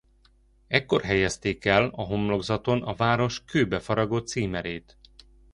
Ekkor helyezték el a homlokzaton a város kőbe faragott címerét.